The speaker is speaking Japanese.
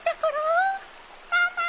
ママ！